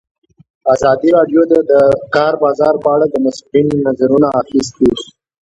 ازادي راډیو د د کار بازار په اړه د مسؤلینو نظرونه اخیستي.